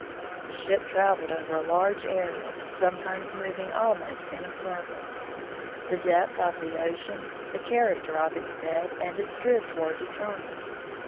The ship traveled over a large area, sometimes moving almost in a circle. The depth of the ocean, the character of its bed and its drift were determined.